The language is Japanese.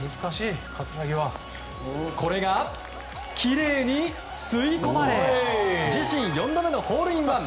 これがきれいに吸い込まれ自身４度目のホールインワン。